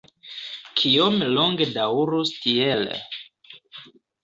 Kiom longe daŭros tiel?